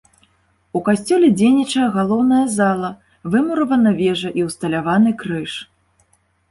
У касцёле дзейнічае галоўная зала, вымуравана вежа і ўсталяваны крыж.